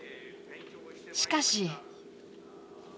しかし。